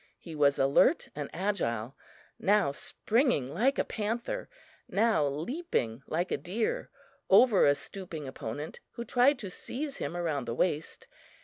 He was alert and agile; now springing like a panther, now leaping like a deer over a stooping opponent who tried to seize him around the waist.